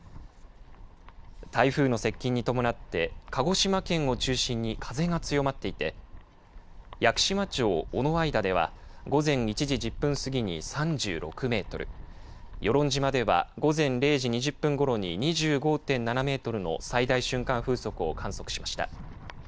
台風の接近に伴って鹿児島県を中心に風が強まっていて屋久島町尾之間では午前１時１０分過ぎに３６メートル与論島では午前０時２０分ごろに２５．７メートルの最大瞬間風速を観測しました。